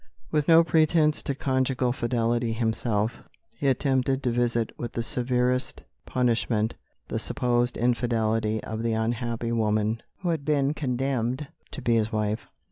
With no pretence to conjugal fidelity himself, he attempted to visit with the severest punishment the supposed infidelity of the unhappy woman who had been condemned to be his wife.